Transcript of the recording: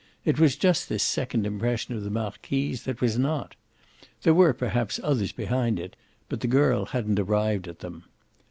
It was just this second impression of the marquise that was not. There were perhaps others behind it, but the girl hadn't yet arrived at them.